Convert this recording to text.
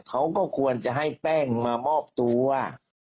เขาก็ควรจะให้แป้งมามอบตัว